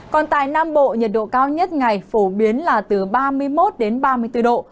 còn tại nam bộ nhiệt độ cao nhất ngày phổ biến là từ ba mươi một đến ba mươi bốn độ